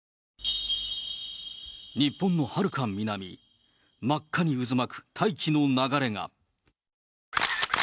日本のはるか南、真っ赤に渦巻く大気の流れが。